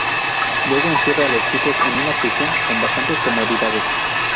Luego encierra a los chicos en una "prisión" con bastantes comodidades.